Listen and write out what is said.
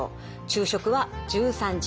昼食は１３時ごろ。